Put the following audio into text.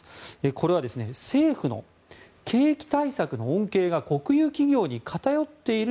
これは、政府の景気対策の恩恵が国有企業に偏っている。